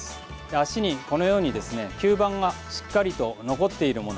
足に、このように吸盤がしっかりと残っているもの。